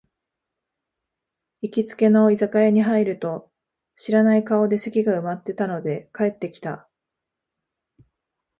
行きつけの居酒屋に入ると、知らない顔で席が埋まってたので帰ってきた